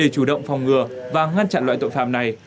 chủ động phòng ngừa và ngăn chặn loại tội phạm này